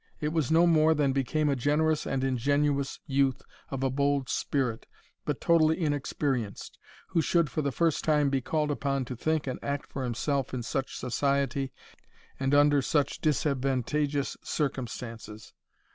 It was no more than became a generous and ingenuous youth of a bold spirit, but totally inexperienced, who should for the first time be called upon to think and act for himself in such society and under such disadvantageous circumstances.